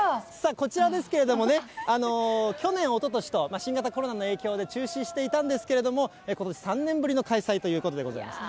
こちらですけれどもね、去年、おととしと、新型コロナの影響で中止していたんですけれども、ことし３年ぶりの開催ということでございます。